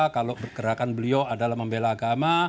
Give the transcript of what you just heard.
kalau gerakan beliau adalah membela agama